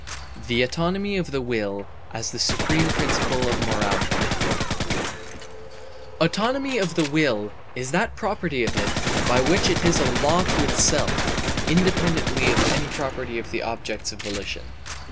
The Autonomy of the Will as the Supreme Principle of Morality Autonomy of the will is that property of it by which it is a law to itself (independently of any property of the objects of volition).